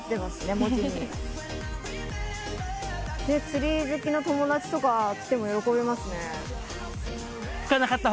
釣り好きの友達とか来ても喜びますね。